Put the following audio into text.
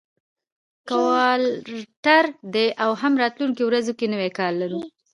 کوارټر دی او هم راتلونکو ورځو کې نوی کال لرو،